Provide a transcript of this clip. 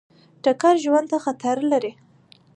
ټکر ژوند ته خطر لري.